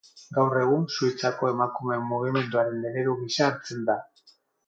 Gaur egun, Suitzako emakumeen mugimenduaren eredu gisa hartzen da.